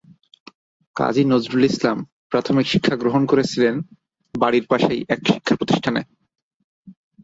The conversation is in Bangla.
কাজী নজরুল ইসলাম প্রাথমিক শিক্ষা গ্রহণ করেছিলেন বাড়ির পাশেই এক শিক্ষা প্রতিষ্ঠানে।